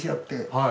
はい。